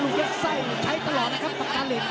ยัดไส้ใช้ตลอดนะครับปากกาเหล็ก